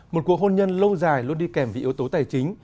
một cuộc hôn nhân lâu dài luôn đi kèm với yếu tố tài chính